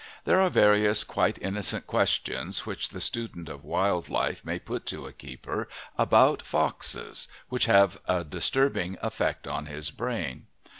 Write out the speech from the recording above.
There are various, quite innocent questions which the student of wild life may put to a keeper about foxes which have a disturbing effect on his brain.